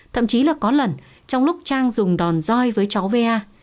thậm chí là có lần trong lúc trang dùng đòn roi với cháu va